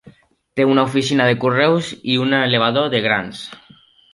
Té una oficina de correus i un elevador de grans.